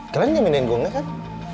kerennya minain gongnya kan